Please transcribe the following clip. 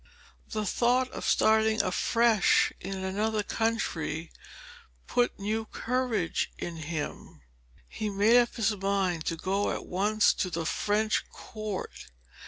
The thought of starting afresh in another country put new courage into him. He made up his mind to go at once to the French court.